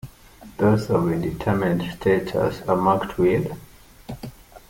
Those of indeterminate status are marked with ?